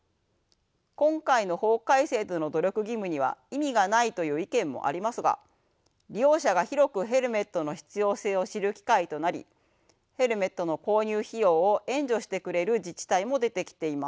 今回の法改正での努力義務には意味がないという意見もありますが利用者が広くヘルメットの必要性を知る機会となりヘルメットの購入費用を援助してくれる自治体も出てきています。